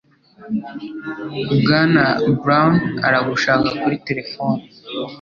Bwana Brown aragushaka kuri terefone.